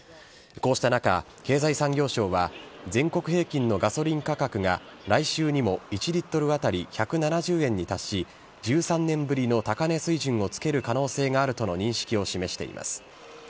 こうした中、経済産業省は全国平均のガソリン価格が来週にも１リットル当たり１７０円に達し、１３年ぶりの高値水準をつける可能性があるとの認識を示しています。